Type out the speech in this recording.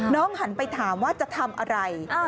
หันไปถามว่าจะทำอะไร